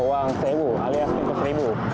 lawang sewu alias pintu seribu